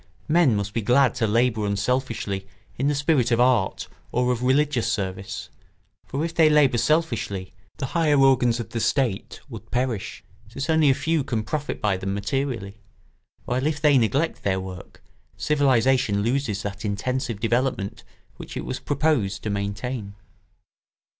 Men must be glad to labour unselfishly in the spirit of art or of religious service: for if they labour selfishly, the higher organs of the state would perish, since only a few can profit by them materially; while if they neglect their work, civilisation loses that intensive development which it was proposed to maintain.